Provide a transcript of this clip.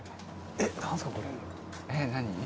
えっ何？